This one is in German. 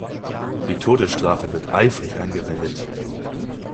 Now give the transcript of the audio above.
Die Todesstrafe wird eifrig angewendet.